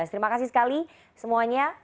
terima kasih sekali semuanya